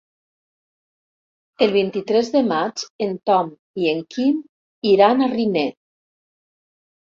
El vint-i-tres de maig en Tom i en Quim iran a Riner.